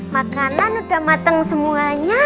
makanan udah mateng semuanya